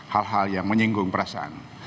hal hal yang menyinggung perasaan